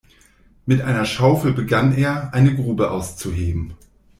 Mit einer Schaufel begann er, eine Grube auszuheben.